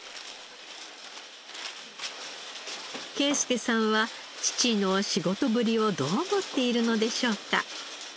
圭輔さんは父の仕事ぶりをどう思っているのでしょうか？